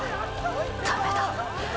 ダメだ。